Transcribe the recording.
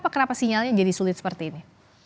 kenapa sinyalnya jadi sulit seperti ini